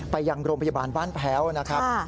ไปยังโรงพยาบาลบ้านแพ้วนะครับ